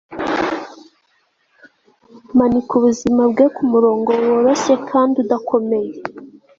Manika ubuzima bwe kumurongo woroshye kandi udakomeye